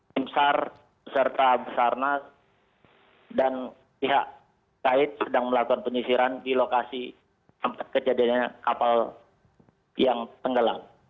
timsar serta besarnas dan pihak kait sedang melakukan penyisiran di lokasi kejadian kapal yang tenggelam